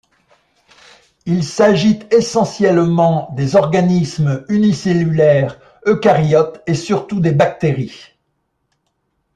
Il s'agit essentiellement des organismes unicellulaires eucaryotes et surtout des bactéries.